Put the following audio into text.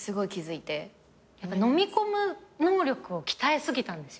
やっぱりのみ込む能力を鍛えすぎたんですよね。